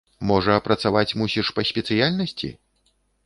Можа, працаваць мусіш па спецыяльнасці?